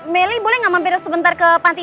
meli boleh nggak mampir sebentar ke panti